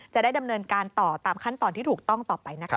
จะได้ดำเนินการต่อตามขั้นตอนที่ถูกต้องต่อไปนะคะ